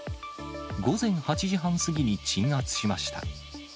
午前８時半過ぎに鎮圧しました。